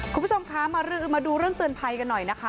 คุณผู้ชมคะมาดูเรื่องเตือนภัยกันหน่อยนะคะ